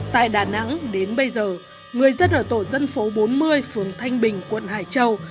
tại đà nẵng đến bây giờ người dân ở tổ dân phố bốn mươi phường thanh bình quận hải châu